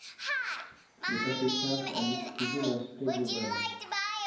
Le passé simple indique toujours l'aspect global.